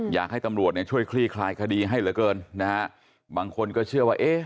อยากให้ตำรวจเนี่ยช่วยคลี่คลายคดีให้เหลือเกินนะฮะบางคนก็เชื่อว่าเอ๊ะ